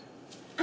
あ！